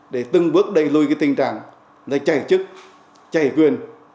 để từng bước đẩy lùi cái tình trạng là chạy chức chạy quyền